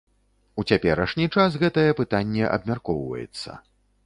У цяперашні час гэтае пытанне абмяркоўваецца.